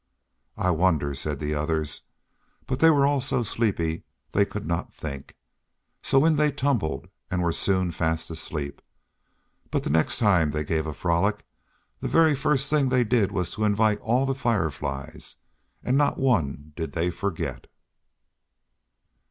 "I wonder," said the others; but they were all so sleepy they could not think, so in they tumbled and were soon fast asleep; but the next time they gave a frolic the very first thing they did was to invite all the Fireflies, and not one did they forget.